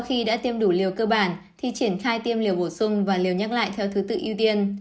khi đã tiêm đủ liều cơ bản thì triển khai tiêm liều bổ sung và liều nhắc lại theo thứ tự ưu tiên